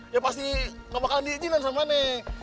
ya pasti enggak bakalan diizinkan sama neng